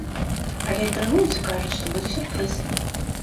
Але інтрыгуюць і кажуць, што будзе сюрпрыз!